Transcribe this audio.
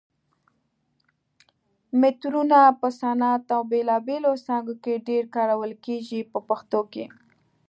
مترونه په صنعت او بېلابېلو څانګو کې ډېر کارول کېږي په پښتو کې.